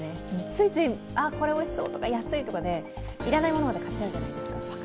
ついつい、あこれおいしそうとか安いとか、要らないものまで買っちゃうじゃないですか。